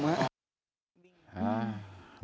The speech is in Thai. ไม่ครับเขาใช้การมายม